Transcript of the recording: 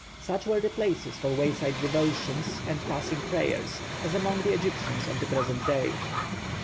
Such were the places for wayside devotions and passing prayers, as among the Egyptians of the present day.